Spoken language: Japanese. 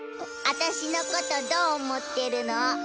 アタシのことどう思ってるの？